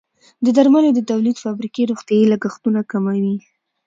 د درملو د تولید فابریکې روغتیايي لګښتونه کموي.